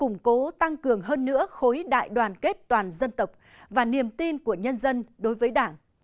củng cố tăng cường hơn nữa khối đại đoàn kết toàn dân tộc và niềm tin của nhân dân đối với đảng